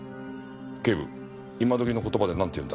ケイブ今時の言葉でなんて言うんだ？